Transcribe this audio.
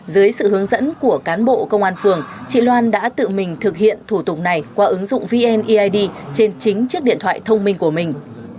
dưới sự hướng dẫn của cán bộ công an phường chị loan đã tự mình thực hiện thủ tục này qua ứng dụng vneid trên chính chiếc điện thoại thông minh của mình